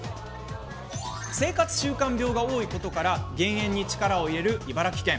生活習慣病が多いことから減塩に力を入れる茨城県。